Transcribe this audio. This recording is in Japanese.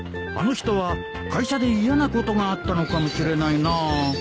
あの人は会社で嫌なことがあったのかもしれないな